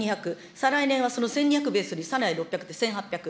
再来年はその１２００ベースにさらに６００で１８００。